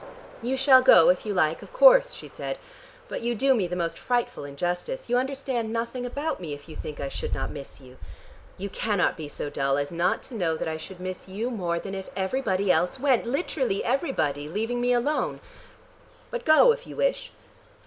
"You shall go if you like, of course," she said. "But you do me the most frightful injustice: you understand nothing about me if you think I should not miss you. You cannot be so dull as not to know that I should miss you more than if everybody else went, literally everybody, leaving me alone. But go if you wish."